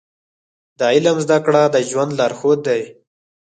د علم زده کړه د ژوند لارښود دی.